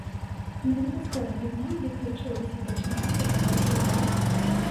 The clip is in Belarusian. Менавіта з гэтага дня, як лічылася, пачынае кукаваць зязюля.